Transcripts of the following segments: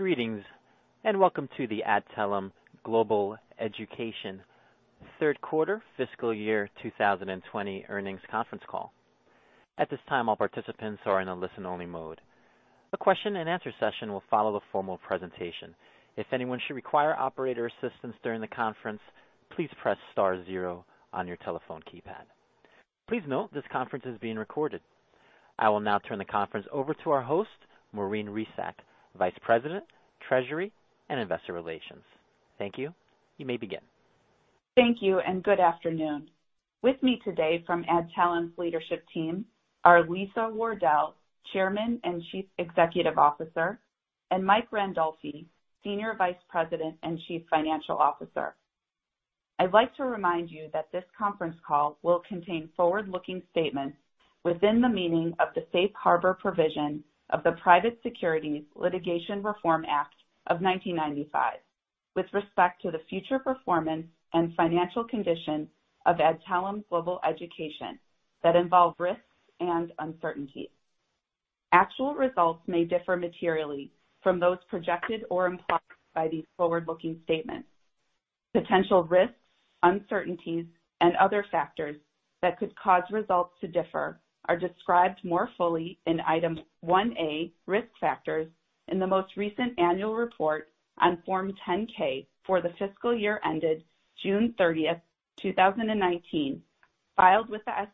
Greetings, and welcome to the Adtalem Global Education third quarter fiscal year 2020 earnings conference call. At this time, all participants are in a listen-only mode. A question and answer session will follow the formal presentation. If anyone should require operator assistance during the conference, please press star zero on your telephone keypad. Please note this conference is being recorded. I will now turn the conference over to our host, Maureen Resac, Vice President, Treasury and Investor Relations. Thank you. You may begin. Thank you, and good afternoon. With me today from Adtalem's leadership team are Lisa Wardell, Chairman and Chief Executive Officer, and Mike Randolfi, Senior Vice President and Chief Financial Officer. I'd like to remind you that this conference call will contain forward-looking statements within the meaning of the Safe Harbor provision of the Private Securities Litigation Reform Act of 1995 with respect to the future performance and financial condition of Adtalem Global Education that involve risks and uncertainties. Actual results may differ materially from those projected or implied by these forward-looking statements. Potential risks, uncertainties, and other factors that could cause results to differ are described more fully in item 1A, Risk Factors, in the most recent annual report on Form 10-K for the fiscal year ended June 30, 2019, filed with the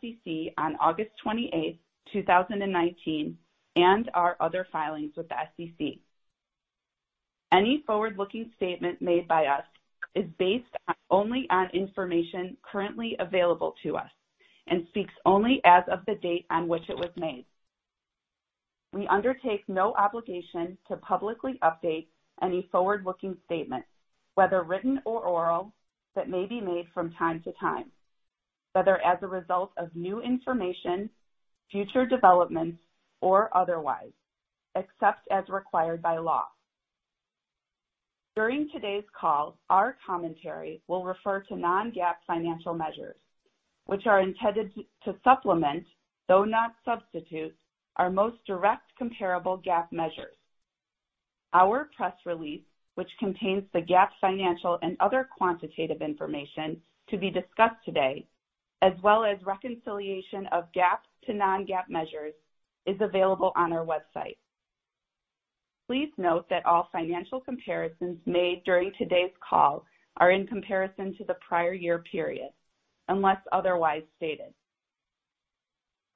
SEC on August 28, 2019, and our other filings with the SEC. Any forward-looking statement made by us is based only on information currently available to us and speaks only as of the date on which it was made. We undertake no obligation to publicly update any forward-looking statement, whether written or oral, that may be made from time to time, whether as a result of new information, future developments, or otherwise, except as required by law. During today's call, our commentary will refer to non-GAAP financial measures, which are intended to supplement, though not substitute, our most direct comparable GAAP measures. Our press release, which contains the GAAP financial and other quantitative information to be discussed today, as well as reconciliation of GAAP to non-GAAP measures, is available on our website. Please note that all financial comparisons made during today's call are in comparison to the prior year period, unless otherwise stated.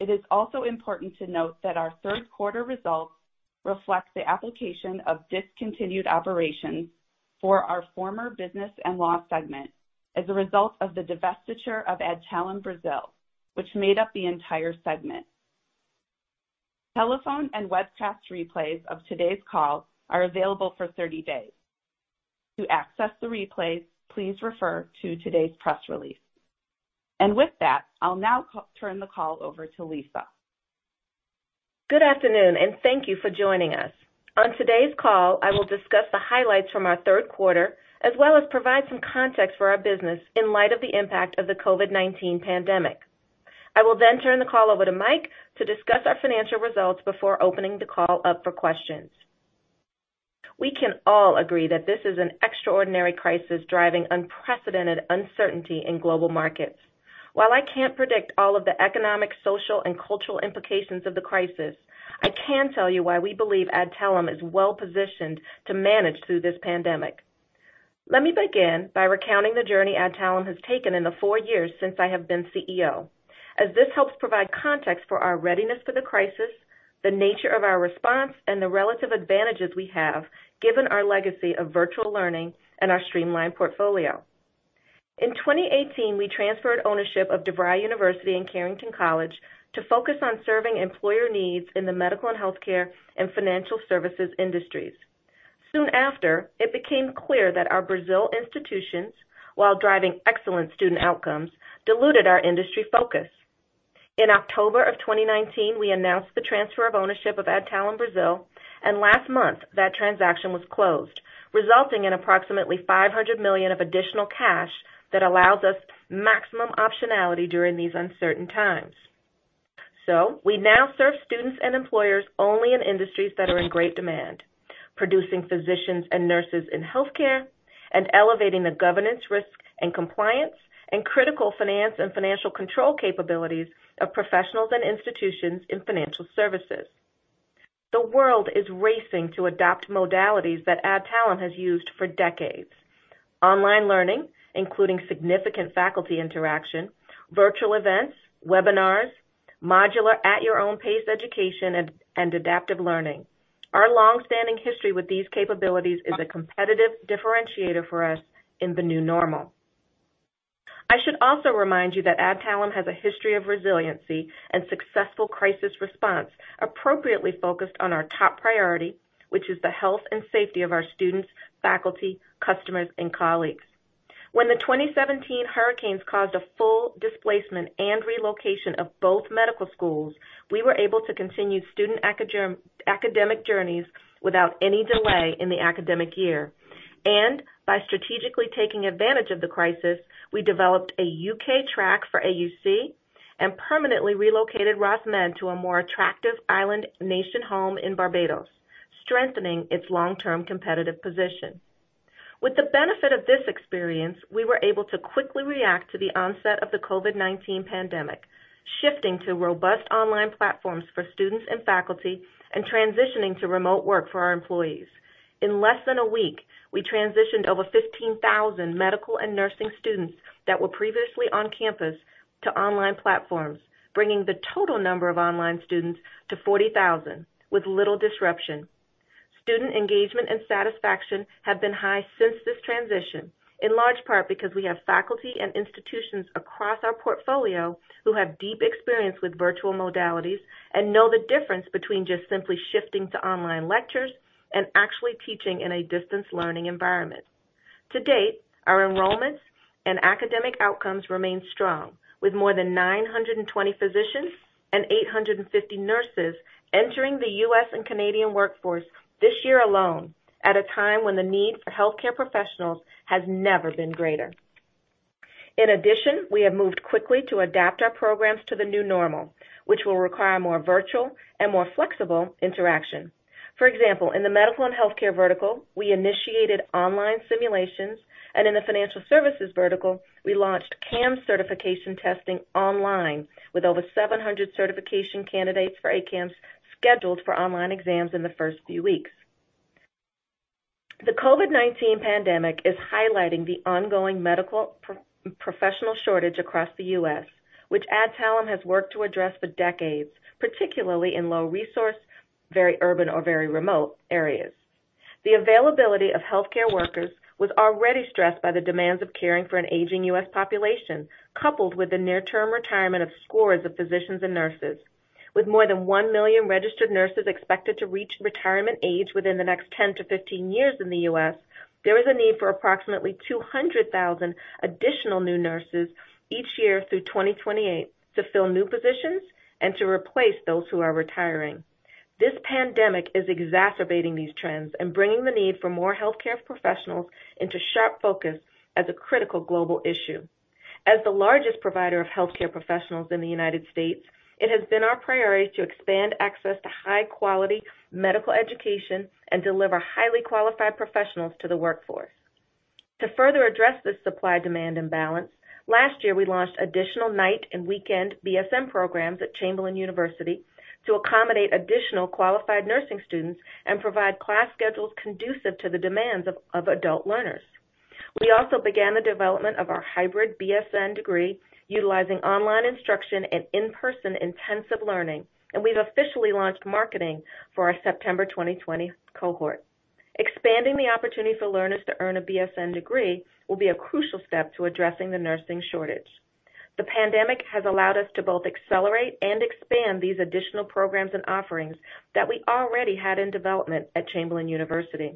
It is also important to note that our third quarter results reflect the application of discontinued operations for our former business and law segment as a result of the divestiture of Adtalem Brazil, which made up the entire segment. Telephone and webcast replays of today's call are available for 30 days. To access the replays, please refer to today's press release. With that, I'll now turn the call over to Lisa. Good afternoon, and thank you for joining us. On today's call, I will discuss the highlights from our third quarter, as well as provide some context for our business in light of the impact of the COVID-19 pandemic. I will then turn the call over to Mike to discuss our financial results before opening the call up for questions. We can all agree that this is an extraordinary crisis driving unprecedented uncertainty in global markets. While I can't predict all of the economic, social, and cultural implications of the crisis, I can tell you why we believe Adtalem is well-positioned to manage through this pandemic. Let me begin by recounting the journey Adtalem has taken in the four years since I have been CEO, as this helps provide context for our readiness for the crisis, the nature of our response, and the relative advantages we have given our legacy of virtual learning and our streamlined portfolio. In 2018, we transferred ownership of DeVry University and Carrington College to focus on serving employer needs in the medical and healthcare and financial services industries. Soon after, it became clear that our Brazil institutions, while driving excellent student outcomes, diluted our industry focus. In October of 2019, we announced the transfer of ownership of Adtalem Brazil, and last month that transaction was closed, resulting in approximately $500 million of additional cash that allows us maximum optionality during these uncertain times. We now serve students and employers only in industries that are in great demand: producing physicians and nurses in healthcare, and elevating the governance risk and compliance and critical finance and financial control capabilities of professionals and institutions in financial services. The world is racing to adopt modalities that Adtalem has used for decades: online learning, including significant faculty interaction, virtual events, webinars, modular at-your-own-pace education, and adaptive learning. Our long-standing history with these capabilities is a competitive differentiator for us in the new normal. I should also remind you that Adtalem has a history of resiliency and successful crisis response, appropriately focused on our top priority, which is the health and safety of our students, faculty, customers, and colleagues. When the 2017 hurricanes caused a full displacement and relocation of both medical schools, we were able to continue student academic journeys without any delay in the academic year. By strategically taking advantage of the crisis, we developed a U.K. track for AUC and permanently relocated Ross Med to a more attractive island nation home in Barbados, strengthening its long-term competitive position. With the benefit of this experience, we were able to quickly react to the onset of the COVID-19 pandemic, shifting to robust online platforms for students and faculty and transitioning to remote work for our employees. In less than a week, we transitioned over 15,000 medical and nursing students that were previously on campus to online platforms, bringing the total number of online students to 40,000 with little disruption. Student engagement and satisfaction have been high since this transition, in large part because we have faculty and institutions across our portfolio who have deep experience with virtual modalities and know the difference between just simply shifting to online lectures and actually teaching in a distance learning environment. To date, our enrollments and academic outcomes remain strong. With more than 920 physicians and 850 nurses entering the U.S. and Canadian workforce this year alone at a time when the need for healthcare professionals has never been greater. In addition, we have moved quickly to adapt our programs to the new normal, which will require more virtual and more flexible interaction. For example, in the medical and healthcare vertical, we initiated online simulations, and in the financial services vertical, we launched CAMS certification testing online with over 700 certification candidates for ACAMS scheduled for online exams in the first few weeks. The COVID-19 pandemic is highlighting the ongoing medical professional shortage across the U.S., which Adtalem has worked to address for decades, particularly in low resource, very urban, or very remote areas. The availability of healthcare workers was already stressed by the demands of caring for an aging U.S. population, coupled with the near-term retirement of scores of physicians and nurses. With more than 1 million registered nurses expected to reach retirement age within the next 10-15 years in the U.S., there is a need for approximately 200,000 additional new nurses each year through 2028 to fill new positions and to replace those who are retiring. This pandemic is exacerbating these trends and bringing the need for more healthcare professionals into sharp focus as a critical global issue. As the largest provider of healthcare professionals in the United States, it has been our priority to expand access to high-quality medical education and deliver highly qualified professionals to the workforce. To further address the supply-demand imbalance, last year we launched additional night and weekend BSN programs at Chamberlain University to accommodate additional qualified nursing students and provide class schedules conducive to the demands of adult learners. We also began the development of our hybrid BSN degree utilizing online instruction and in-person intensive learning, and we've officially launched marketing for our September 2020 cohort. Expanding the opportunity for learners to earn a BSN degree will be a crucial step to addressing the nursing shortage. The pandemic has allowed us to both accelerate and expand these additional programs and offerings that we already had in development at Chamberlain University.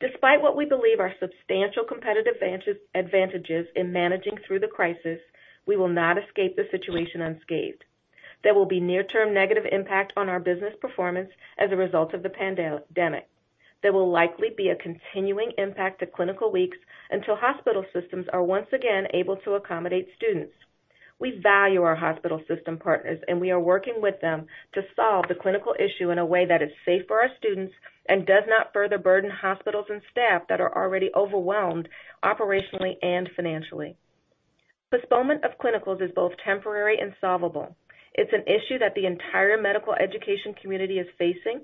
Despite what we believe are substantial competitive advantages in managing through the crisis, we will not escape the situation unscathed. There will be near-term negative impact on our business performance as a result of the pandemic. There will likely be a continuing impact to clinical weeks until hospital systems are once again able to accommodate students. We value our hospital system partners, and we are working with them to solve the clinical issue in a way that is safe for our students and does not further burden hospitals and staff that are already overwhelmed operationally and financially. Postponement of clinicals is both temporary and solvable. It's an issue that the entire medical education community is facing,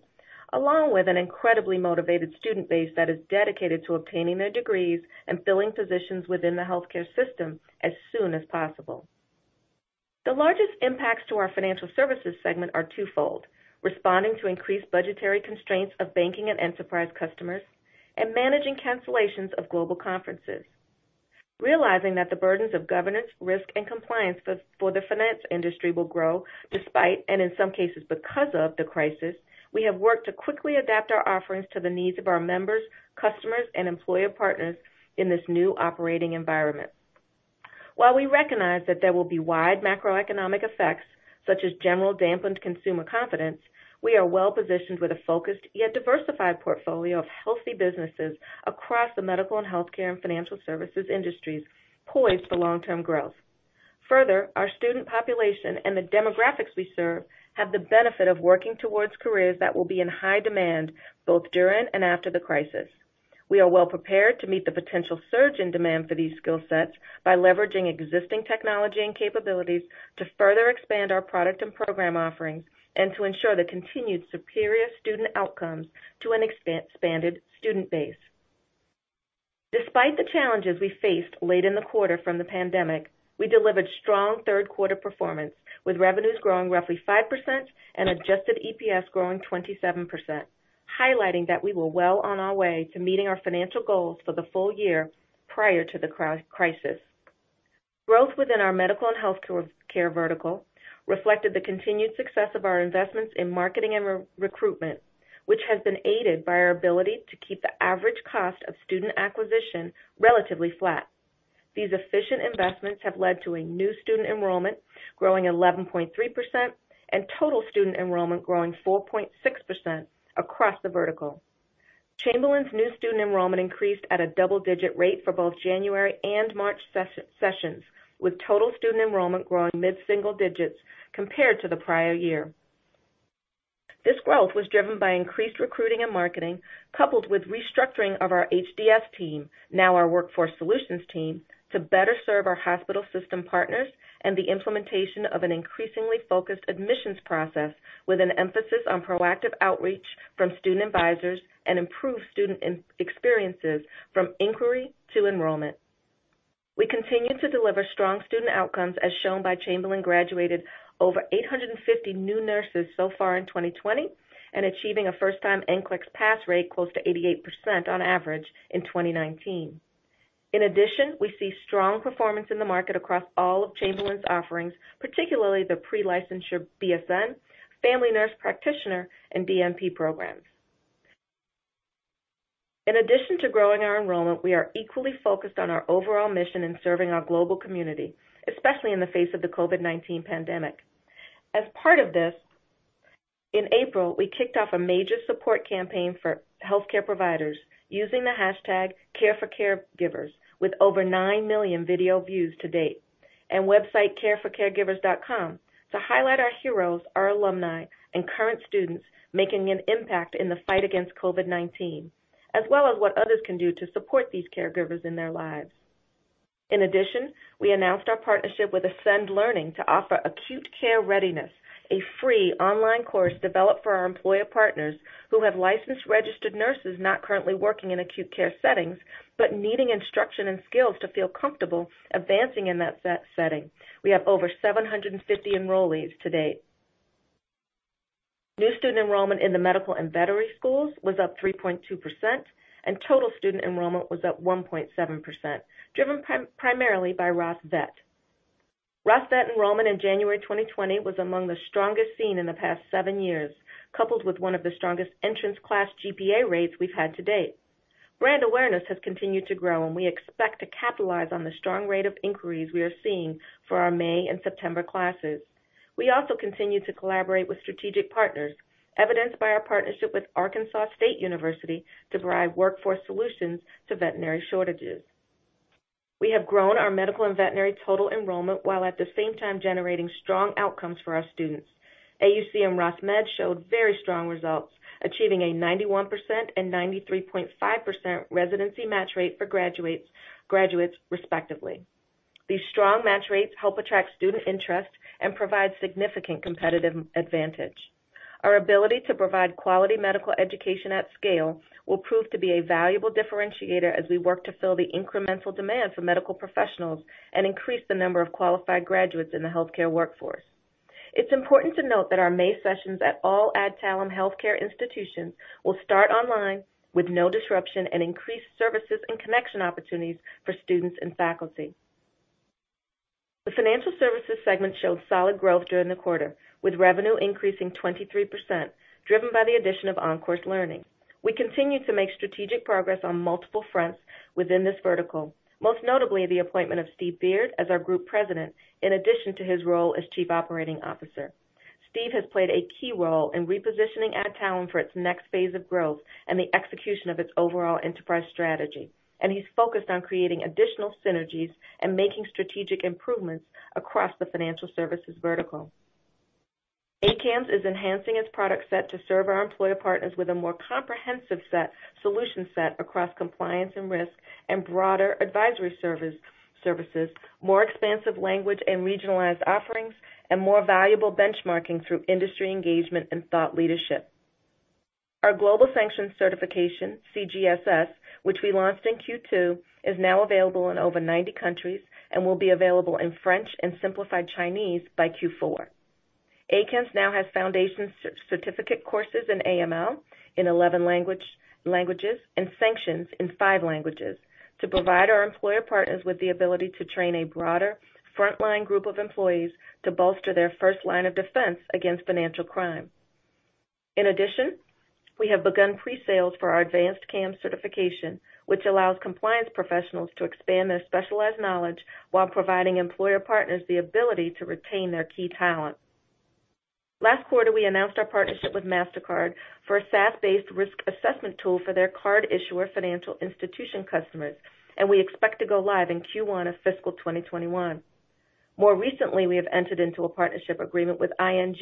along with an incredibly motivated student base that is dedicated to obtaining their degrees and filling positions within the healthcare system as soon as possible. The largest impacts to our Financial Services Segment are twofold: responding to increased budgetary constraints of banking and enterprise customers and managing cancellations of global conferences. Realizing that the burdens of governance, risk, and compliance for the finance industry will grow despite, and in some cases because of, the crisis, we have worked to quickly adapt our offerings to the needs of our members, customers, and employer partners in this new operating environment. While we recognize that there will be wide macroeconomic effects, such as general dampened consumer confidence, we are well-positioned with a focused yet diversified portfolio of healthy businesses across the medical and healthcare and financial services industries poised for long-term growth. Further, our student population and the demographics we serve have the benefit of working towards careers that will be in high demand both during and after the crisis. We are well prepared to meet the potential surge in demand for these skill sets by leveraging existing technology and capabilities to further expand our product and program offerings and to ensure the continued superior student outcomes to an expanded student base. Despite the challenges we faced late in the quarter from the pandemic, we delivered strong third-quarter performance, with revenues growing roughly 5% and adjusted EPS growing 27%, highlighting that we were well on our way to meeting our financial goals for the full year prior to the crisis. Growth within our medical and healthcare vertical reflected the continued success of our investments in marketing and recruitment, which has been aided by our ability to keep the average cost of student acquisition relatively flat. These efficient investments have led to a new student enrollment growing 11.3% and total student enrollment growing 4.6% across the vertical. Chamberlain's new student enrollment increased at a double-digit rate for both January and March sessions, with total student enrollment growing mid-single digits compared to the prior year. This growth was driven by increased recruiting and marketing, coupled with restructuring of our HDS team, now our workforce solutions team, to better serve our hospital system partners and the implementation of an increasingly focused admissions process with an emphasis on proactive outreach from student advisors and improved student experiences from inquiry to enrollment. We continue to deliver strong student outcomes, as shown by Chamberlain graduated over 850 new nurses so far in 2020 and achieving a first-time NCLEX pass rate close to 88% on average in 2019. In addition, we see strong performance in the market across all of Chamberlain's offerings, particularly the pre-licensure BSN, family nurse practitioner, and MSN programs. In addition to growing our enrollment, we are equally focused on our overall mission in serving our global community, especially in the face of the COVID-19 pandemic. As part of this, in April, we kicked off a major support campaign for healthcare providers using the hashtag #CareForCaregivers with over 9 million video views to date, and website careforcaregivers.com to highlight our heroes, our alumni, and current students making an impact in the fight against COVID-19, as well as what others can do to support these caregivers in their lives. In addition, we announced our partnership with Ascend Learning to offer Acute Care Readiness, a free online course developed for our employer partners who have licensed registered nurses not currently working in acute care settings, but needing instruction and skills to feel comfortable advancing in that setting. We have over 750 enrollees to date. New student enrollment in the medical and veterinary schools was up 3.2%, and total student enrollment was up 1.7%, driven primarily by Ross Vet. Ross Vet enrollment in January 2020 was among the strongest seen in the past seven years, coupled with one of the strongest entrance class GPA rates we've had to date. Brand awareness has continued to grow, and we expect to capitalize on the strong rate of inquiries we are seeing for our May and September classes. We also continue to collaborate with strategic partners, evidenced by our partnership with Arkansas State University to derive workforce solutions to veterinary shortages. We have grown our medical and veterinary total enrollment while at the same time generating strong outcomes for our students. AUC and Ross Med showed very strong results, achieving a 91% and 93.5% residency match rate for graduates respectively. These strong match rates help attract student interest and provide significant competitive advantage. Our ability to provide quality medical education at scale will prove to be a valuable differentiator as we work to fill the incremental demand for medical professionals and increase the number of qualified graduates in the healthcare workforce. It's important to note that our May sessions at all Adtalem healthcare institutions will start online with no disruption and increased services and connection opportunities for students and faculty. The financial services segment showed solid growth during the quarter, with revenue increasing 23%, driven by the addition of OnCourse Learning. We continue to make strategic progress on multiple fronts within this vertical, most notably the appointment of Steve Beard as our Group President, in addition to his role as Chief Operating Officer. Steve has played a key role in repositioning Adtalem for its next phase of growth and the execution of its overall enterprise strategy. He's focused on creating additional synergies and making strategic improvements across the financial services vertical. ACAMS is enhancing its product set to serve our employer partners with a more comprehensive solution set across compliance and risk and broader advisory services, more expansive language and regionalized offerings, and more valuable benchmarking through industry engagement and thought leadership. Our Global Sanctions Certification, CGSS, which we launched in Q2, is now available in over 90 countries and will be available in French and simplified Chinese by Q4. ACAMS now has foundation certificate courses in AML in 11 languages and sanctions in five languages to provide our employer partners with the ability to train a broader frontline group of employees to bolster their first line of defense against financial crime. We have begun pre-sales for our advanced ACAMS certification, which allows compliance professionals to expand their specialized knowledge while providing employer partners the ability to retain their key talent. Last quarter, we announced our partnership with Mastercard for a SaaS-based risk assessment tool for their card issuer financial institution customers, and we expect to go live in Q1 of fiscal 2021. More recently, we have entered into a partnership agreement with ING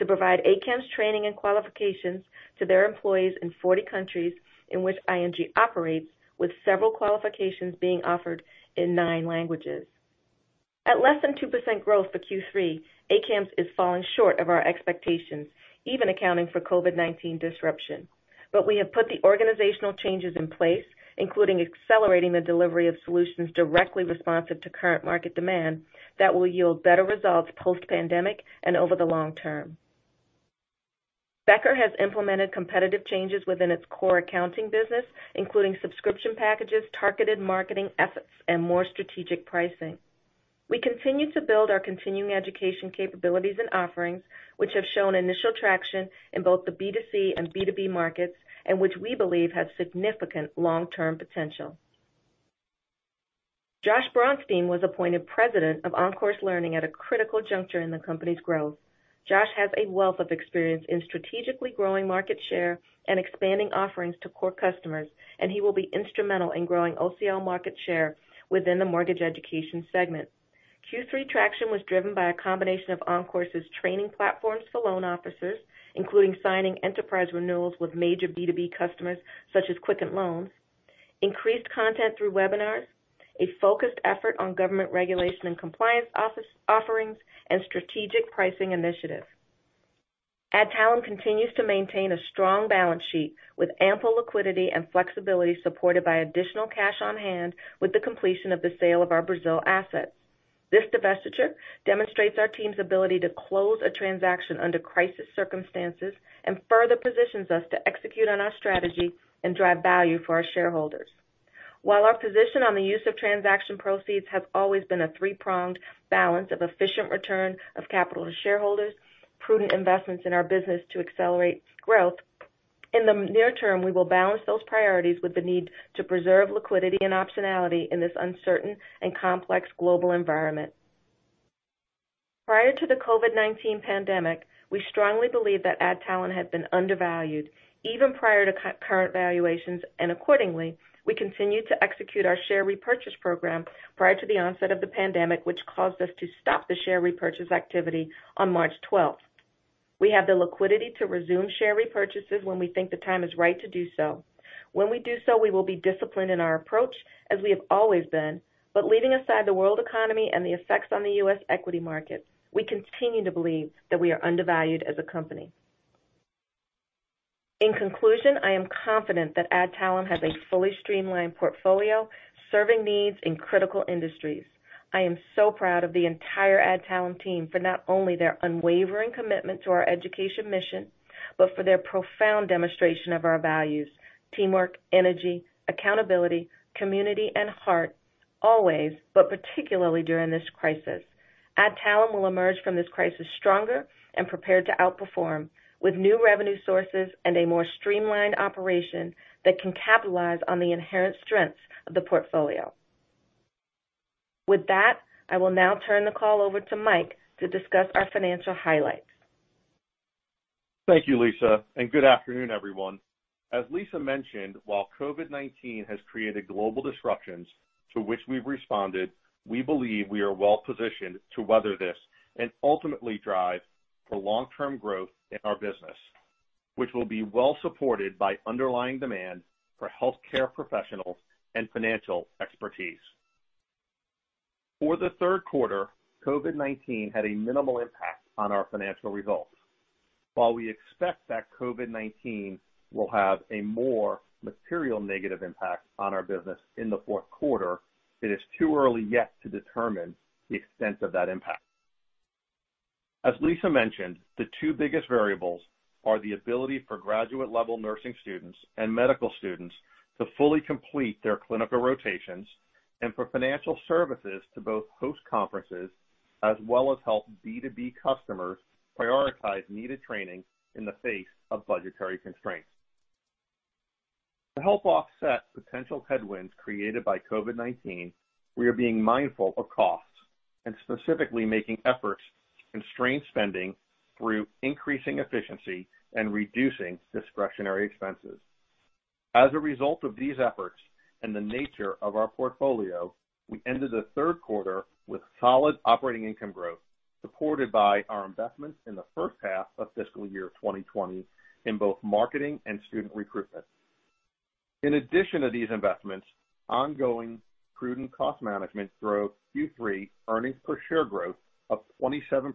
to provide ACAMS training and qualifications to their employees in 40 countries in which ING operates, with several qualifications being offered in nine languages. At less than 2% growth for Q3, ACAMS is falling short of our expectations, even accounting for COVID-19 disruption. We have put the organizational changes in place, including accelerating the delivery of solutions directly responsive to current market demand that will yield better results post-pandemic and over the long term. Becker has implemented competitive changes within its core accounting business, including subscription packages, targeted marketing efforts, and more strategic pricing. We continue to build our continuing education capabilities and offerings, which have shown initial traction in both the B2C and B2B markets, and which we believe have significant long-term potential. Josh Braunstein was appointed President of OnCourse Learning at a critical juncture in the company's growth. Josh has a wealth of experience in strategically growing market share and expanding offerings to core customers, and he will be instrumental in growing OCL market share within the mortgage education segment. Q3 traction was driven by a combination of OnCourse's training platforms for loan officers, including signing enterprise renewals with major B2B customers such as Quicken Loans, increased content through webinars, a focused effort on government regulation and compliance offerings, and strategic pricing initiatives. Adtalem continues to maintain a strong balance sheet with ample liquidity and flexibility supported by additional cash on hand with the completion of the sale of our Brazil assets. This divestiture demonstrates our team's ability to close a transaction under crisis circumstances and further positions us to execute on our strategy and drive value for our shareholders. While our position on the use of transaction proceeds has always been a three-pronged balance of efficient return of capital to shareholders, prudent investments in our business to accelerate growth, in the near term, we will balance those priorities with the need to preserve liquidity and optionality in this uncertain and complex global environment. Prior to the COVID-19 pandemic, we strongly believe that Adtalem had been undervalued, even prior to current valuations, and accordingly, we continued to execute our share repurchase program prior to the onset of the pandemic, which caused us to stop the share repurchase activity on March 12th. We have the liquidity to resume share repurchases when we think the time is right to do so. When we do so, we will be disciplined in our approach, as we have always been. Leaving aside the world economy and the effects on the U.S. equity market, we continue to believe that we are undervalued as a company. In conclusion, I am confident that Adtalem has a fully streamlined portfolio, serving needs in critical industries. I am so proud of the entire Adtalem team for not only their unwavering commitment to our education mission, but for their profound demonstration of our values, teamwork, energy, accountability, community, and heart always, but particularly during this crisis. Adtalem will emerge from this crisis stronger and prepared to outperform, with new revenue sources and a more streamlined operation that can capitalize on the inherent strengths of the portfolio. With that, I will now turn the call over to Mike to discuss our financial highlights. Thank you, Lisa, and good afternoon, everyone. As Lisa mentioned, while COVID-19 has created global disruptions to which we've responded, we believe we are well-positioned to weather this and ultimately drive for long-term growth in our business, which will be well-supported by underlying demand for healthcare professionals and financial expertise. For the third quarter, COVID-19 had a minimal impact on our financial results. While we expect that COVID-19 will have a more material negative impact on our business in the fourth quarter, it is too early yet to determine the extent of that impact. As Lisa mentioned, the two biggest variables are the ability for graduate-level nursing students and medical students to fully complete their clinical rotations and for financial services to both host conferences as well as help B2B customers prioritize needed training in the face of budgetary constraints. To help offset potential headwinds created by COVID-19, we are being mindful of costs and specifically making efforts to constrain spending through increasing efficiency and reducing discretionary expenses. As a result of these efforts and the nature of our portfolio, we ended the third quarter with solid operating income growth, supported by our investments in the first half of fiscal year 2020 in both marketing and student recruitment. In addition to these investments, ongoing prudent cost management drove Q3 earnings per share growth of 27%,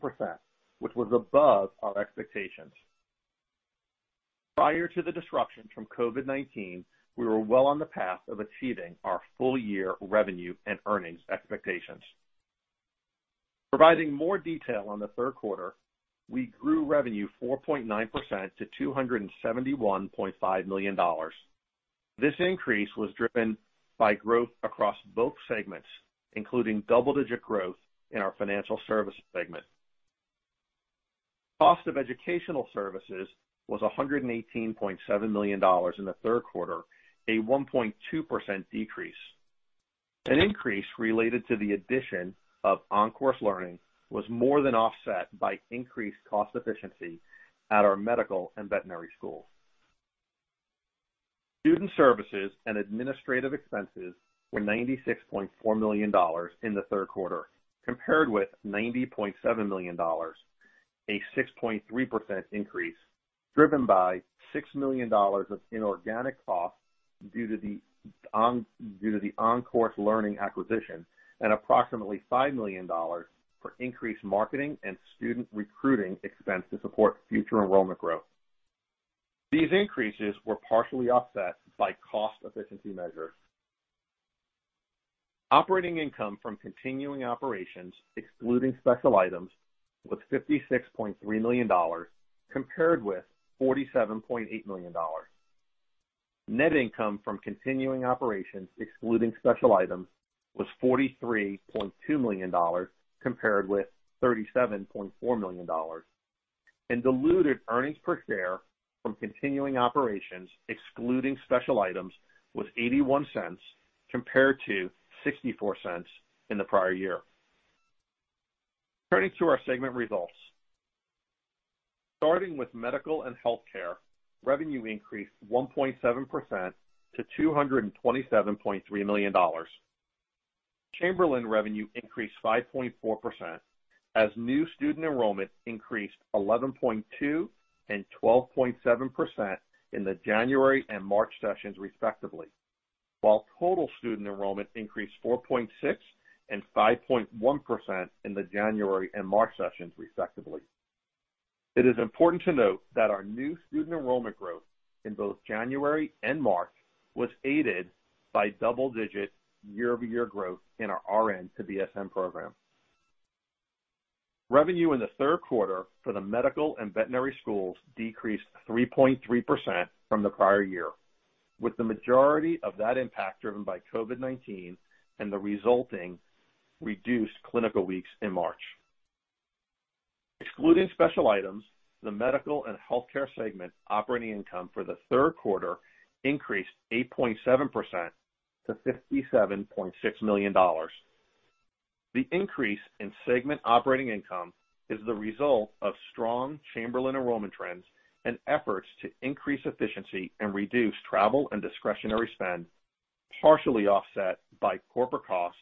which was above our expectations. Prior to the disruption from COVID-19, we were well on the path of achieving our full-year revenue and earnings expectations. Providing more detail on the third quarter, we grew revenue 4.9% to $271.5 million. This increase was driven by growth across both segments, including double-digit growth in our financial service segment. Cost of educational services was $118.7 million in the third quarter, a 1.2% decrease. An increase related to the addition of OnCourse Learning was more than offset by increased cost efficiency at our Medical and Veterinary schools. Student services and administrative expenses were $96.4 million in the third quarter, compared with $90.7 million, a 6.3% increase, driven by $6 million of inorganic costs due to the OnCourse Learning acquisition and approximately $5 million for increased marketing and student recruiting expense to support future enrollment growth. These increases were partially offset by cost efficiency measures. Operating income from continuing operations excluding special items was $56.3 million compared with $47.8 million. Net income from continuing operations excluding special items was $43.2 million compared with $37.4 million. Diluted earnings per share from continuing operations, excluding special items, was $0.81 compared to $0.64 in the prior year. Turning to our segment results. Starting with Medical and Healthcare, revenue increased 1.7% to $227.3 million. Chamberlain revenue increased 5.4% as new student enrollment increased 11.2% and 12.7% in the January and March sessions respectively, while total student enrollment increased 4.6% and 5.1% in the January and March sessions respectively. It is important to note that our new student enrollment growth in both January and March was aided by double-digit year-over-year growth in our RN to BSN program. Revenue in the third quarter for the Medical and Veterinary schools decreased 3.3% from the prior year, with the majority of that impact driven by COVID-19 and the resulting reduced clinical weeks in March. Excluding special items, the Medical and Healthcare segment operating income for the third quarter increased 8.7% to $57.6 million. The increase in segment operating income is the result of strong Chamberlain enrollment trends and efforts to increase efficiency and reduce travel and discretionary spend, partially offset by corporate costs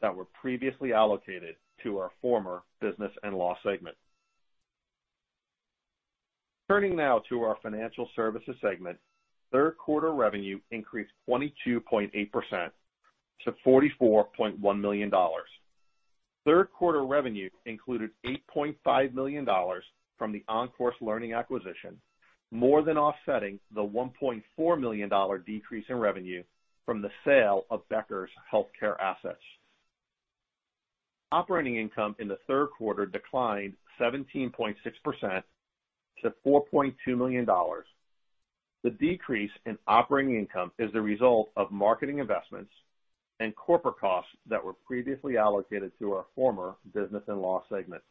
that were previously allocated to our former Business and Law segment. Turning now to our Financial Services segment, third-quarter revenue increased 22.8% to $44.1 million. Third-quarter revenue included $8.5 million from the OnCourse Learning acquisition, more than offsetting the $1.4 million decrease in revenue from the sale of Becker's healthcare assets. Operating income in the third quarter declined 17.6% to $4.2 million. The decrease in operating income is the result of marketing investments and corporate costs that were previously allocated to our former Business and Law segment.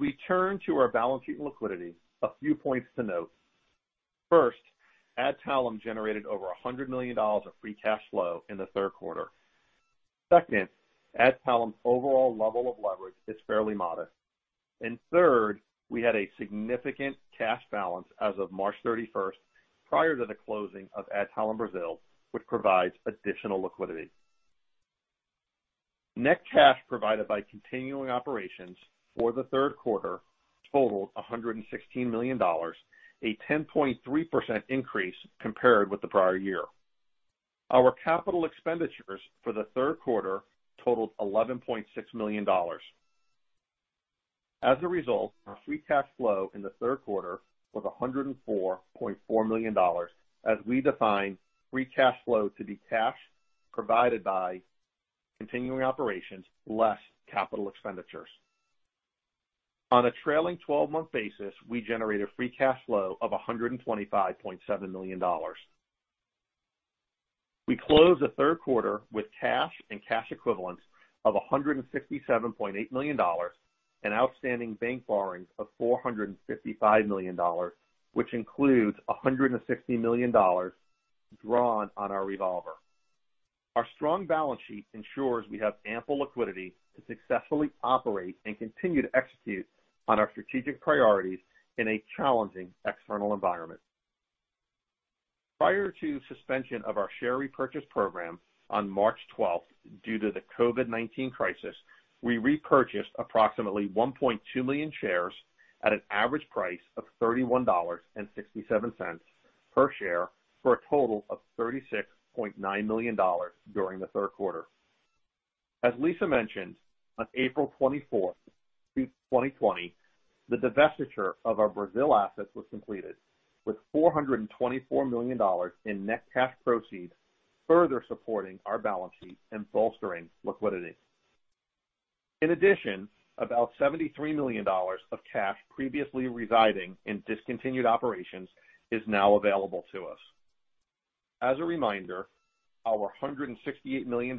We turn to our balance sheet liquidity, a few points to note. First, Adtalem generated over $100 million of free cash flow in the third quarter. Adtalem's overall level of leverage is fairly modest. Third, we had a significant cash balance as of March 31st prior to the closing of Adtalem Brazil, which provides additional liquidity. Net cash provided by continuing operations for the third quarter totaled $116 million, a 10.3% increase compared with the prior year. Our capital expenditures for the third quarter totaled $11.6 million. Our free cash flow in the third quarter was $104.4 million, as we define free cash flow to be cash provided by continuing operations less capital expenditures. On a trailing 12-month basis, we generated free cash flow of $125.7 million. We closed the third quarter with cash and cash equivalents of $167.8 million and outstanding bank borrowings of $455 million, which includes $160 million drawn on our revolver. Our strong balance sheet ensures we have ample liquidity to successfully operate and continue to execute on our strategic priorities in a challenging external environment. Prior to suspension of our share repurchase program on March 12th due to the COVID-19 crisis, we repurchased approximately 1.2 million shares at an average price of $31.67 per share for a total of $36.9 million during the third quarter. As Lisa mentioned, on April 24th, 2020, the divestiture of our Brazil assets was completed with $424 million in net cash proceeds, further supporting our balance sheet and bolstering liquidity. In addition, about $73 million of cash previously residing in discontinued operations is now available to us. As a reminder, our $168 million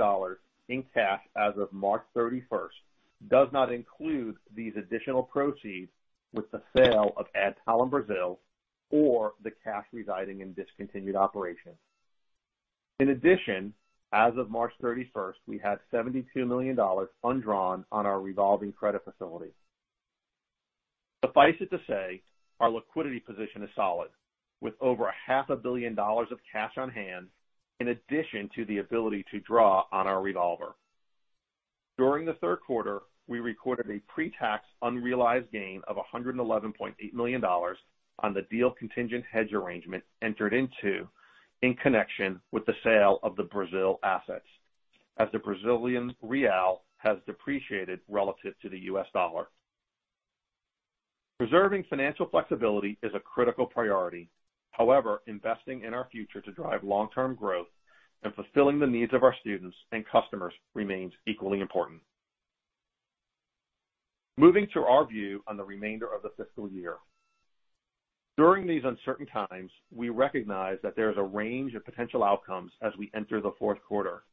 in cash as of March 31st does not include these additional proceeds with the sale of Adtalem Brazil or the cash residing in discontinued operations. In addition, as of March 31st, we had $72 million undrawn on our revolving credit facility. Suffice it to say, our liquidity position is solid, with over a half a billion dollars of cash on hand, in addition to the ability to draw on our revolver. During the third quarter, we recorded a pre-tax unrealized gain of $111.8 million on the deal contingent hedge arrangement entered into in connection with the sale of the Brazil assets, as the Brazilian real has depreciated relative to the U.S. dollar. Preserving financial flexibility is a critical priority. However, investing in our future to drive long-term growth and fulfilling the needs of our students and customers remains equally important. Moving to our view on the remainder of the fiscal year. During these uncertain times, we recognize that there is a range of potential outcomes as we enter the fourth quarter.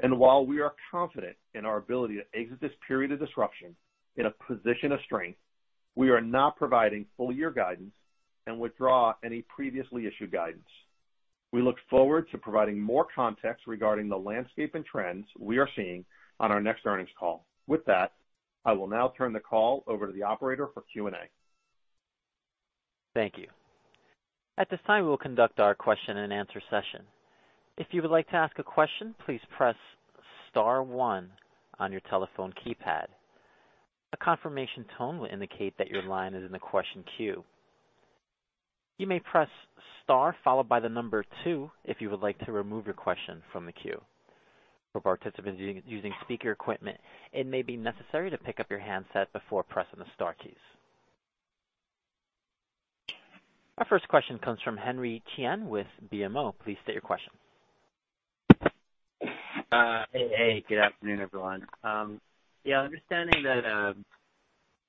While we are confident in our ability to exit this period of disruption in a position of strength, we are not providing full year guidance and withdraw any previously issued guidance. We look forward to providing more context regarding the landscape and trends we are seeing on our next earnings call. With that, I will now turn the call over to the operator for Q&A. Thank you. At this time, we will conduct our question and answer session. If you would like to ask a question, please press star one on your telephone keypad. A confirmation tone will indicate that your line is in the question queue. You may press star followed by the number 2 if you would like to remove your question from the queue. For participants using speaker equipment, it may be necessary to pick up your handset before pressing the star keys. Our first question comes from Henry Chien with BMO. Please state your question. Good afternoon, everyone. Understanding that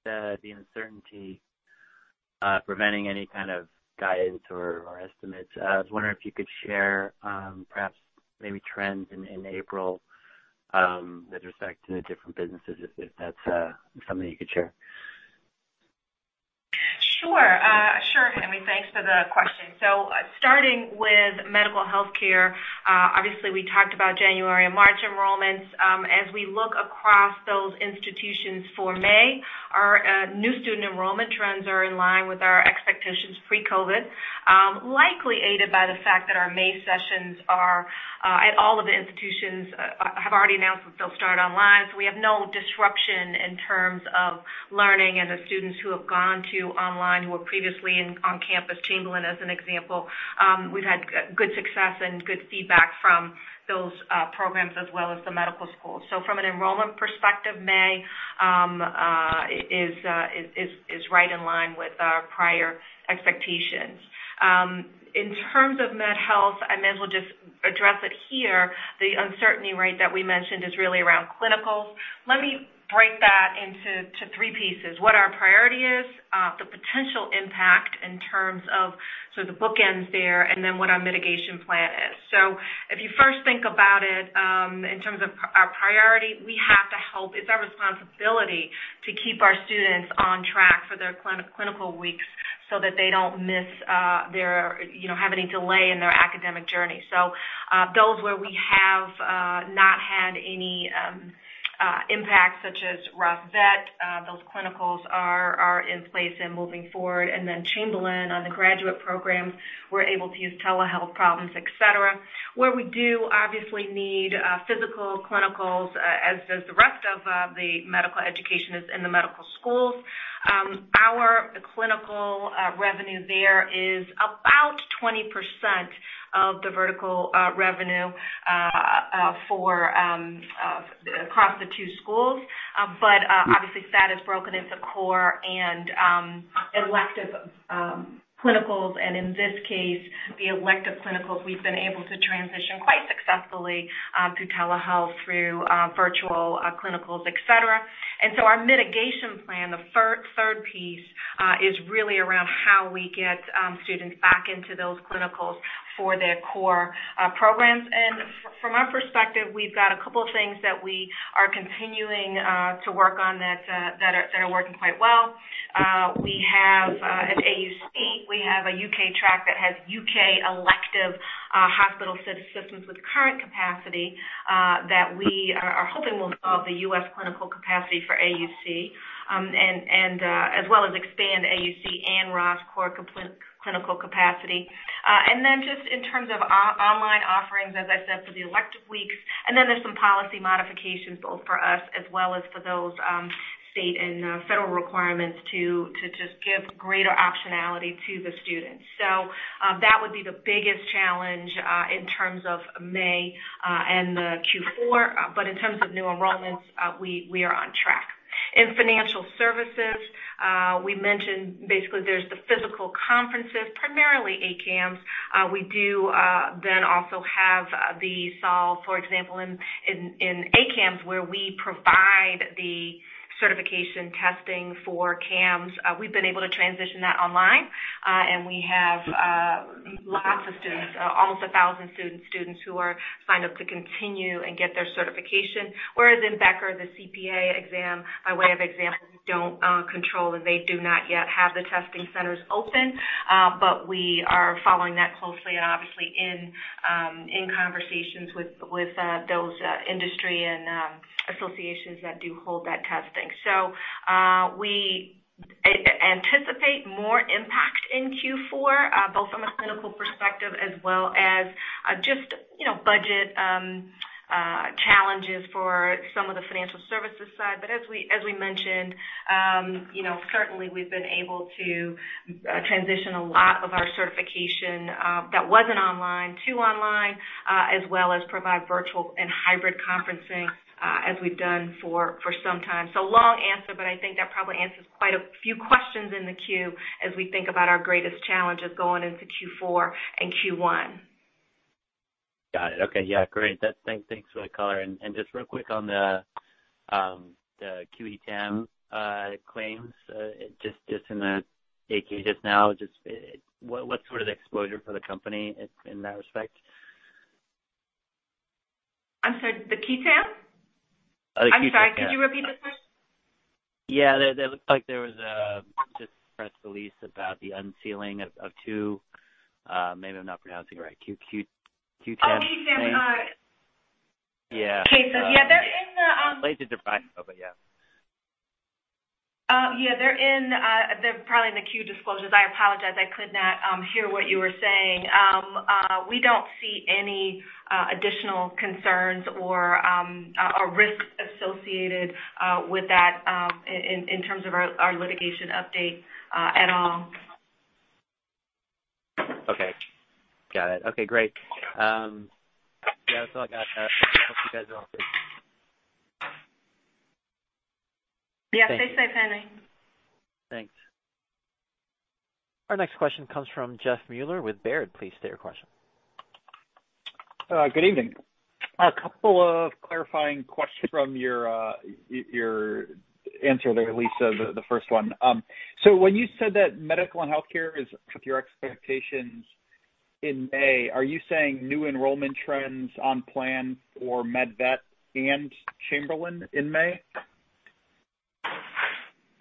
the uncertainty preventing any kind of guidance or estimates, I was wondering if you could share perhaps maybe trends in April, with respect to the different businesses, if that's something you could share. Sure, Henry. Thanks for the question. Starting with medical healthcare, obviously we talked about January and March enrollments. As we look across those institutions for May, our new student enrollment trends are in line with our expectations pre-COVID-19, likely aided by the fact that our May sessions at all of the institutions have already announced that they'll start online. We have no disruption in terms of learning and the students who have gone to online who were previously on campus, Chamberlain, as an example. We've had good success and good feedback from those programs as well as the medical schools. From an enrollment perspective, May is right in line with our prior expectations. In terms of med health, I may as well just address it here. The uncertainty that we mentioned is really around clinicals. Let me break that into three pieces. What our priority is, the potential impact in terms of the bookends there, and then what our mitigation plan is. If you first think about it, in terms of our priority, we have to help. It's our responsibility to keep our students on track for their clinical weeks so that they don't have any delay in their academic journey. Those where we have not had any impact, such as Ross Vet, those clinicals are in place and moving forward. Chamberlain on the graduate programs, we're able to use telehealth problems, et cetera. Where we do obviously need physical clinicals, as does the rest of the medical education is in the medical schools. Our clinical revenue there is about 20% of the vertical revenue across the two schools. Obviously that is broken into core and elective clinicals, and in this case, the elective clinicals we've been able to transition quite successfully to telehealth through virtual clinicals, et cetera. So our mitigation plan, the third piece, is really around how we get students back into those clinicals for their core programs. From our perspective, we've got a couple of things that we are continuing to work on that are working quite well. At AUC, we have a U.K. track that has U.K. elective hospital systems with current capacity, that we are hoping will solve the U.S. clinical capacity for AUC, as well as expand AUC and Ross core clinical capacity. Just in terms of online offerings, as I said, for the elective weeks, there's some policy modifications, both for us as well as for those state and federal requirements to just give greater optionality to the students. That would be the biggest challenge in terms of May and the Q4. In terms of new enrollments, we are on track. In financial services, we mentioned basically there's the physical conferences, primarily ACAMS. We do then also have the SOL, for example, in ACAMS, where we provide the certification testing for CAMS. We've been able to transition that online, and we have lots of students, almost 1,000 students who are signed up to continue and get their certification. Whereas in Becker, the CPA exam, by way of example, we don't control, and they do not yet have the testing centers open. We are following that closely and obviously in conversations with those industry and associations that do hold that testing. We anticipate more impact in Q4, both from a clinical perspective as well as just budget challenges for some of the financial services side. As we mentioned, certainly we've been able to transition a lot of our certification that wasn't online to online, as well as provide virtual and hybrid conferencing as we've done for some time. Long answer, but I think that probably answers quite a few questions in the queue as we think about our greatest challenges going into Q4 and Q1. Got it. Okay. Yeah, great. Thanks for the color. Just real quick on the qui tam claims, just in the 8-K just now, what's sort of the exposure for the company in that respect? I'm sorry, the qui tam? The qui tam, yeah. I'm sorry, could you repeat the question? Yeah, it looks like there was just a press release about the unsealing of two, maybe I'm not pronouncing it right, qui tams. Oh, qui tam. Yeah. Cases. Yeah, they're in. Glad you did. Okay. Got it. Okay, great. Yeah, that's all I got. Hope you guys are all safe. Yeah. Stay safe, Henry. Thanks. Our next question comes from Jeff Meuler with Baird. Please state your question. Good evening. A couple of clarifying questions from your answer there, Lisa, the first one. When you said that medical and healthcare is with your expectations in May, are you saying new enrollment trends on plan for MedVet and Chamberlain in May?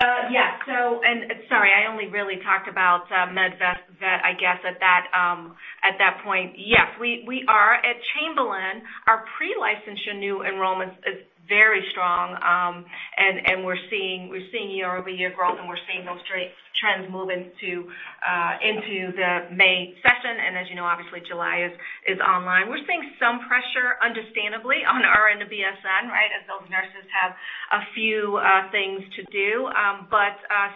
Yeah. Sorry, I only really talked about MedVet, I guess at that point. Yes, we are. At Chamberlain, our pre-licensure new enrollments is very strong. We're seeing year-over-year growth, and we're seeing those trends move into the May session. As you know, obviously July is online. We're seeing some pressure, understandably, on RN to BSN, right? As those nurses have a few things to do.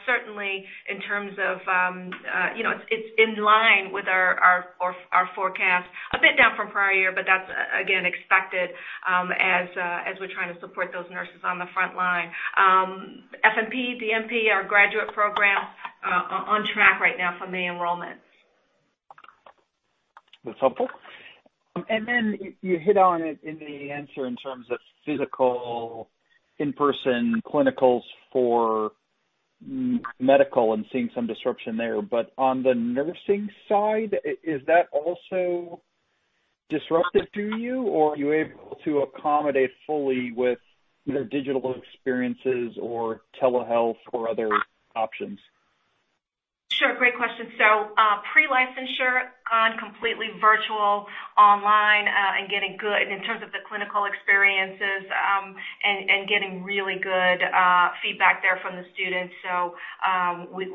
Certainly, in terms of, it's in line with our forecast. A bit down from prior year, but that's, again, expected, as we're trying to support those nurses on the front line. FNP, DNP, our graduate program, on track right now for May enrollments. That's helpful. You hit on it in the answer in terms of physical, in-person clinicals for medical and seeing some disruption there. On the nursing side, is that also disruptive to you, or are you able to accommodate fully with their digital experiences or telehealth or other options? Sure. Great question. Pre-licensure gone completely virtual online, and getting good in terms of the clinical experiences, and getting really good feedback there from the students.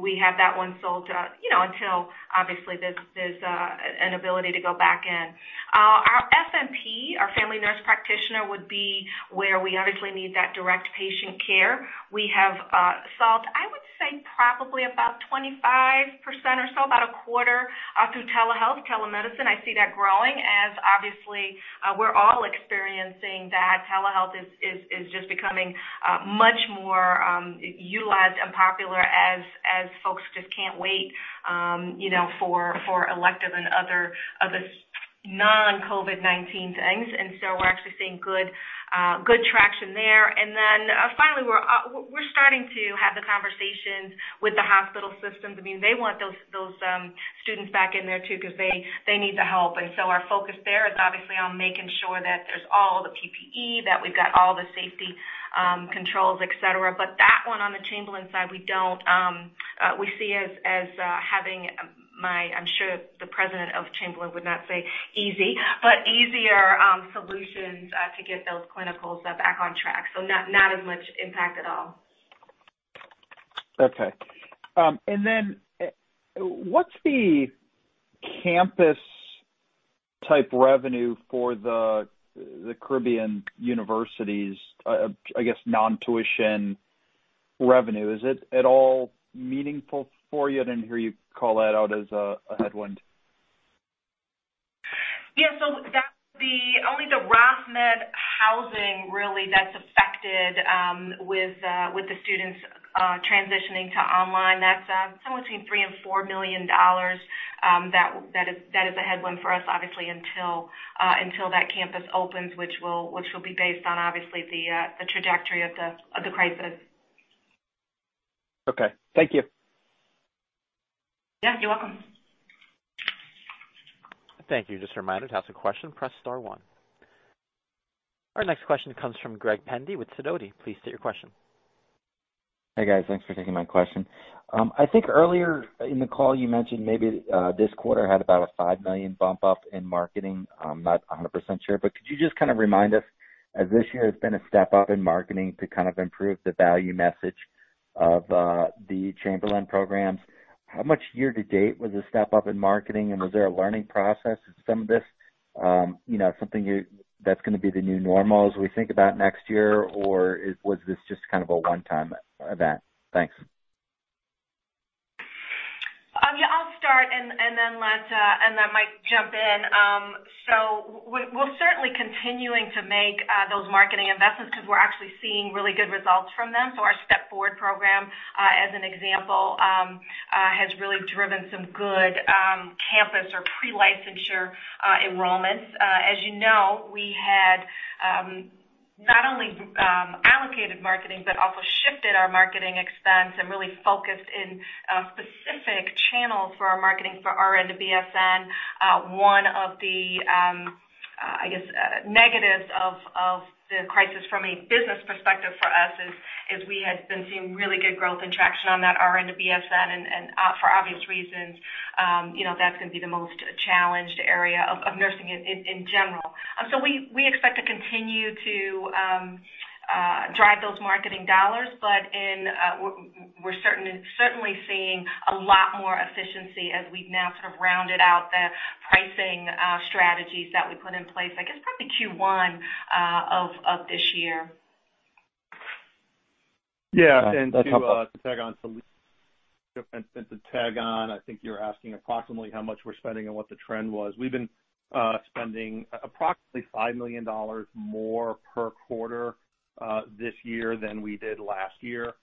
We have that one sold, until obviously there's an ability to go back in. Our FNP, our family nurse practitioner, would be where we obviously need that direct patient care. We have sold, I would say, probably about 25% or so, about a quarter, through telehealth, telemedicine. I see that growing as obviously we're all experiencing that telehealth is just becoming much more utilized and popular as folks just can't wait for elective and other non-COVID-19 things. We're actually seeing good traction there. Finally, we're starting to have the conversations with the hospital systems. I mean, they want those students back in there too, because they need the help. Our focus there is obviously on making sure that there's all the PPE, that we've got all the safety controls, et cetera. That one on the Chamberlain side, we see as having, I'm sure the president of Chamberlain would not say easy, but easier solutions to get those clinicals back on track. Not as much impact at all. Okay. What's the campus-type revenue for the Caribbean universities, I guess non-tuition revenue? Is it at all meaningful for you? I didn't hear you call that out as a headwind. Yeah. Only the Ross Med housing really that's affected with the students transitioning to online. That's somewhere between $3 million and $4 million. That is a headwind for us obviously until that campus opens, which will be based on obviously the trajectory of the crisis. Okay. Thank you. Yeah. You're welcome. Thank you. Just a reminder, to ask a question, press star one. Our next question comes from Greg Pendy with Sidoti. Please state your question. Hey, guys. Thanks for taking my question. I think earlier in the call you mentioned maybe this quarter had about a $5 million bump up in marketing. I'm not 100% sure, could you just kind of remind us as this year has been a step-up in marketing to kind of improve the value message of the Chamberlain programs, how much year to date was a step-up in marketing, and was there a learning process to some of this? Something that's going to be the new normal as we think about next year, or was this just kind of a one-time event? Thanks. Yeah, I'll start and then Mike jump in. We're certainly continuing to make those marketing investments because we're actually seeing really good results from them. Our Step Forward program, as an example, has really driven some good campus or pre-licensure enrollments. As you know, we had not only allocated marketing, but also shifted our marketing expense and really focused in a specific channel for our marketing for RN to BSN. One of the, I guess, negatives of the crisis from a business perspective for us is we had been seeing really good growth and traction on that RN to BSN, and for obvious reasons, that's going to be the most challenged area of nursing in general. We expect to continue to drive those marketing dollars, but we're certainly seeing a lot more efficiency as we've now sort of rounded out the pricing strategies that we put in place, I guess, probably Q1 of this year. Yeah. To tag on to Lisa and to tag on, I think you're asking approximately how much we're spending and what the trend was. We've been spending approximately $5 million more per quarter this year than we did last year.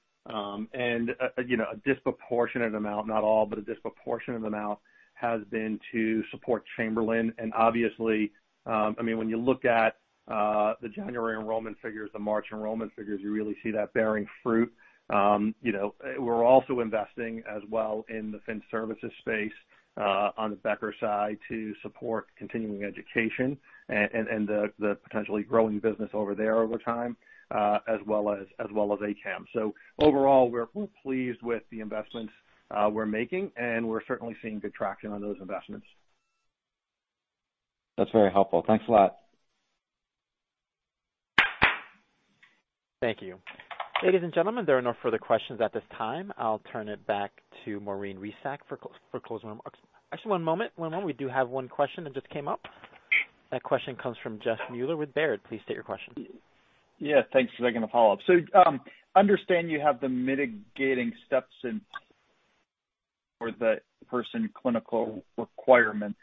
A disproportionate amount, not all, but a disproportionate amount has been to support Chamberlain. Obviously, when you look at the January enrollment figures, the March enrollment figures, you really see that bearing fruit. We're also investing as well in the fin services space on the Becker side to support continuing education and the potentially growing business over there over time, as well as ACAMS. Overall, we're pleased with the investments we're making, and we're certainly seeing good traction on those investments. That's very helpful. Thanks a lot. Thank you. Ladies and gentlemen, there are no further questions at this time. I'll turn it back to Maureen Resac for closing remarks. Actually, one moment. We do have one question that just came up. That question comes from Jeff Meuler with Baird. Please state your question. Yeah, thanks. Just like a follow-up. Understand you have the mitigating steps in for the person clinical requirement.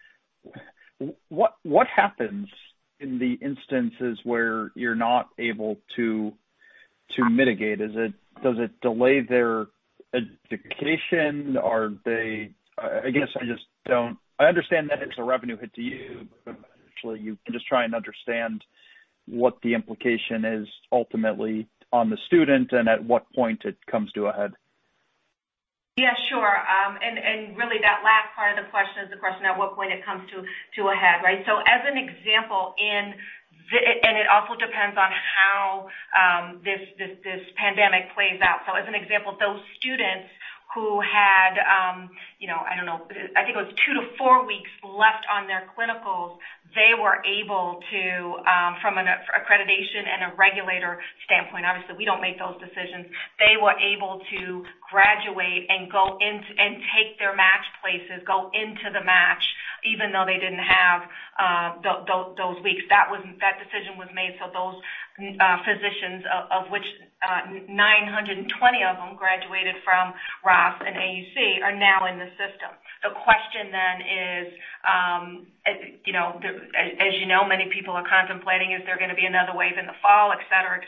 What happens in the instances where you're not able to mitigate? Does it delay their education? I understand that it's a revenue hit to you, but actually, you can just try and understand what the implication is ultimately on the student and at what point it comes to a head. Yeah, sure. Really that last part of the question is the question at what point it comes to a head, right? As an example, and it also depends on how this pandemic plays out. As an example, those students who had, I don't know, I think it was two to four weeks left on their clinicals, they were able to, from an accreditation and a regulator standpoint, obviously, we don't make those decisions. They were able to graduate and take their match places, go into the match, even though they didn't have those weeks. That decision was made. Those physicians, of which 920 of them graduated from Ross and AUC, are now in the system. The question then is, as you know, many people are contemplating, is there going to be another wave in the fall, et cetera.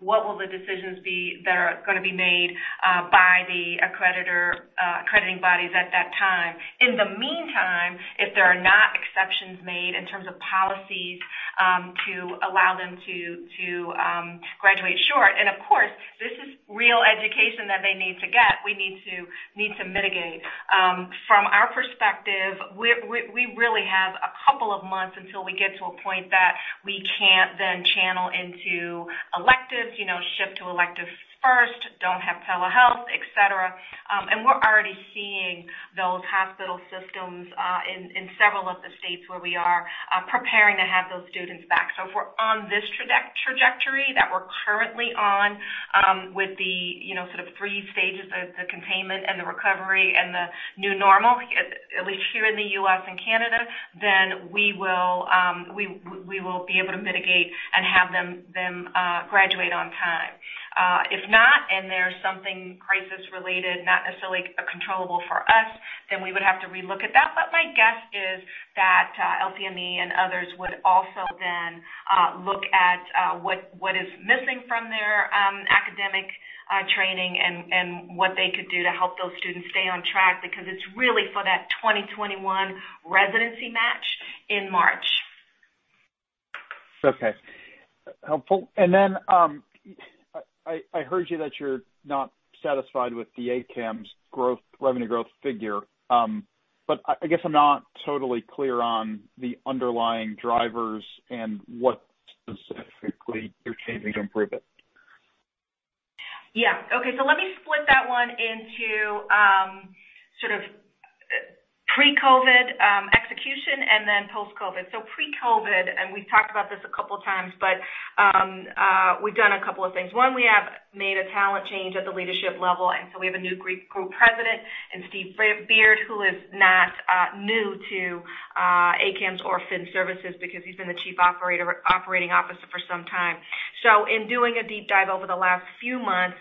What will the decisions be that are going to be made by the accrediting bodies at that time? In the meantime, if there are not exceptions made in terms of policies to allow them to graduate short. Of course, this is real education that they need to get. We need to mitigate. From our perspective, we really have a couple of months until we get to a point that we can't then channel into electives, shift to electives first, don't have telehealth, et cetera. We're already seeing those hospital systems in several of the states where we are preparing to have those students back. If we're on this trajectory that we're currently on with the sort of three stages, the containment and the recovery and the new normal, at least here in the U.S. and Canada, then we will be able to mitigate and have them graduate on time. If not, and there's something crisis-related, not necessarily controllable for us, then we would have to relook at that. My guess is that LCME and others would also then look at what is missing from their academic training and what they could do to help those students stay on track, because it's really for that 2021 residency match in March. Okay. Helpful. I heard you that you're not satisfied with the ACAMS's revenue growth figure. I guess I'm not totally clear on the underlying drivers and what specifically you're changing to improve it. Okay. Let me split that one into pre-COVID execution and then post-COVID. Pre-COVID, we've talked about this a couple times, but we've done a couple of things. One, we have made a talent change at the leadership level. We have a new group president in Steve Beard, who is not new to ACAMS or Fin Services because he's been the chief operating officer for some time. In doing a deep dive over the last few months,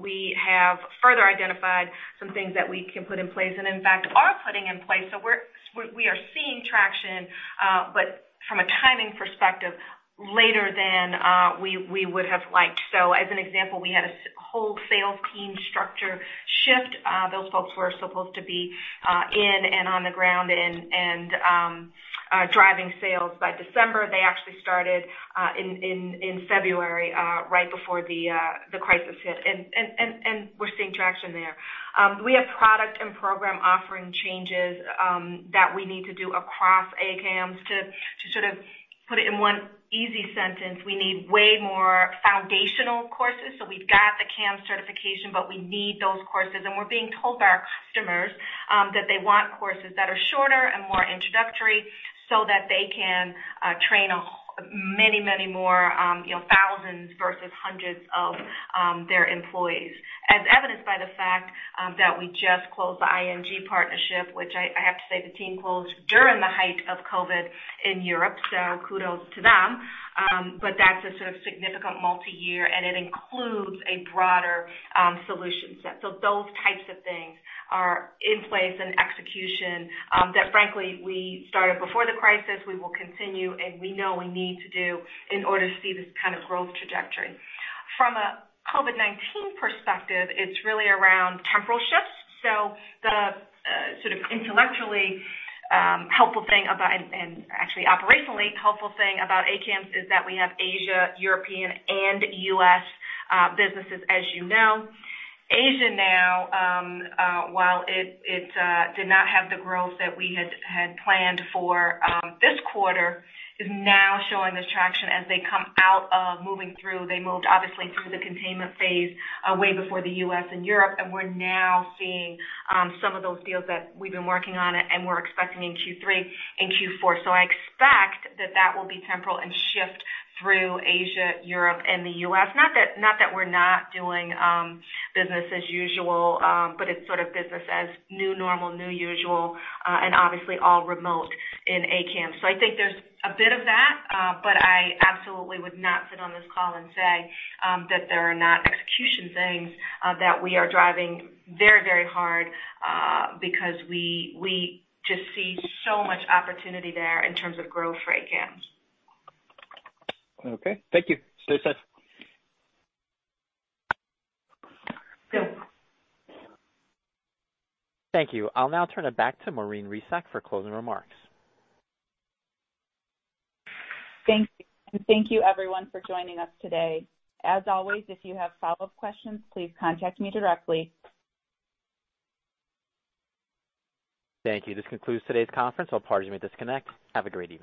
we have further identified some things that we can put in place and, in fact, are putting in place. We are seeing traction, but from a timing perspective, later than we would have liked. As an example, we had a whole sales team structure shift. Those folks were supposed to be in and on the ground and driving sales by December. They actually started in February right before the crisis hit, and we're seeing traction there. We have product and program offering changes that we need to do across ACAMS. To put it in one easy sentence, we need way more foundational courses. We've got the CAMS certification, but we need those courses. We're being told by our customers that they want courses that are shorter and more introductory so that they can train many, many more, thousands versus hundreds of their employees. As evidenced by the fact that we just closed the ING partnership, which I have to say, the team closed during the height of COVID in Europe. Kudos to them. That's a significant multi-year, and it includes a broader solution set. Those types of things are in place and execution that frankly, we started before the crisis, we will continue, and we know we need to do in order to see this kind of growth trajectory. From a COVID-19 perspective, it's really around temporal shifts. The intellectually helpful thing about, and actually operationally helpful thing about ACAMS is that we have Asia, European, and U.S. businesses, as you know. Asia now, while it did not have the growth that we had planned for this quarter, is now showing this traction as they come out of moving through. They moved, obviously, through the containment phase way before the U.S. and Europe, and we're now seeing some of those deals that we've been working on and we're expecting in Q3 and Q4. I expect that that will be temporal and shift through Asia, Europe, and the U.S. Not that we're not doing business as usual, but it's business as new normal, new usual, and obviously all remote in ACAMS. I think there's a bit of that, but I absolutely would not sit on this call and say that there are not execution things that we are driving very hard because we just see so much opportunity there in terms of growth for ACAMS. Okay. Thank you. Stay safe. Sure. Thank you. I'll now turn it back to Maureen Resac for closing remarks. Thank you. Thank you everyone for joining us today. As always, if you have follow-up questions, please contact me directly. Thank you. This concludes today's conference. All parties may disconnect. Have a great evening.